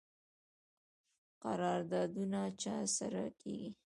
قراردادونه چا سره کیږي؟